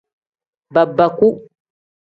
Babaku.